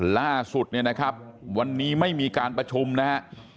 ล่าสุดเนี่ยนะครับวันนี้ไม่มีการประชุมนะฮะ